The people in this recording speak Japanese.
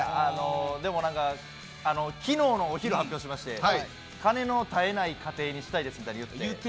でもなんか、きのうのお昼発表しまして、金の絶えない家庭にしたいですみたいなことを言ってて。